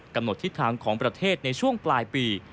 กำหนดทิศทางของประเทศในช่วงปลายปี